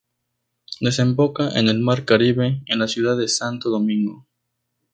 Desemboca en el mar Caribe, en la ciudad de Santo Domingo.